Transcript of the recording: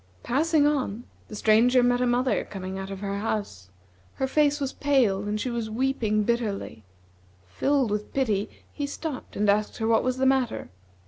Passing on, the Stranger met a mother coming out of her house. Her face was pale, and she was weeping bitterly. Filled with pity, he stopped and asked her what was the matter.